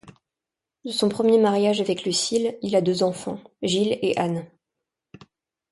De son premier mariage avec Lucile, il a deux enfants, Gilles et Anne.